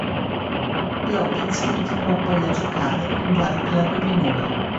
López continuò poi a giocare in vari club minori.